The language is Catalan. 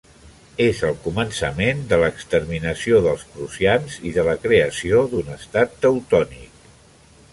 És el començament de l'exterminació dels prussians i de la creació d'un Estat teutònic.